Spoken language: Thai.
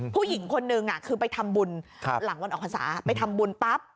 ผู้หญิงคนนึงคือไปทำบุญหลังวันออกพรรษาไปทำบุญปั๊บ